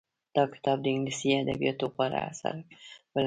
دا کتاب د انګليسي ادبياتو غوره اثر بلل کېږي.